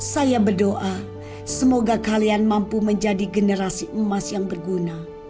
saya berdoa semoga kalian mampu menjadi generasi emas yang berguna